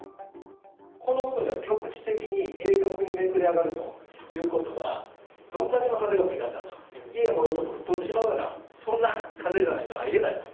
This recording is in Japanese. この部分が局地的に鋭角にめくれ上がるということは、どんだけの風が吹いたんだと、家もろとも吹っ飛んでしまうような、そんな風じゃないとありえないと。